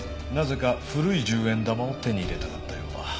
なぜか古い１０円玉を手に入れたかったようだ。